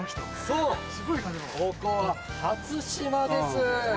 そうここは初島です！